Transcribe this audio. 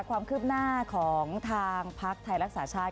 ความคืบหน้าของทางพักไทยรักษาชาติ